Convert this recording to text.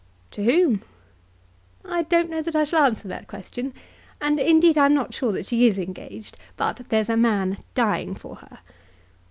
"To whom?" "I don't know that I shall answer that question, and indeed I'm not sure that she is engaged. But there's a man dying for her."